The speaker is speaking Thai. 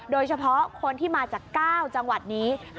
โดยเฉพาะคนที่มาจาก๙จังหวัดนี้